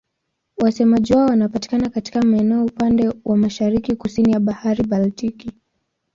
Wasemaji wao wanapatikana katika maeneo upande wa mashariki-kusini ya Bahari Baltiki.